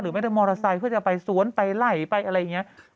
ไม่ได้มอเตอร์ไซค์เพื่อจะไปสวนไปไหล่ไปอะไรอย่างนี้